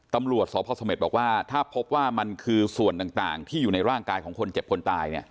ตำรวจสพสเมษบอกว่าถ้าพบว่ามันคือส่วนต่างที่อยู่ในร่างกายของคนเจ็บคนตาย